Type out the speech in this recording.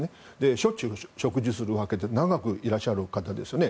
しょっちゅう食事するわけで長くいらっしゃる方ですよね。